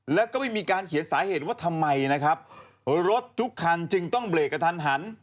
และไม่มีการเขียนสาเหตุว่าทำไงรถทุกคันจึงต้องเบรกกับทันตาม